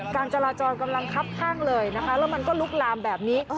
การจราจรกำลังคับข้างเลยนะคะแล้วมันก็ลุกลามแบบนี้